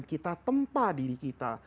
kita tempa diri kita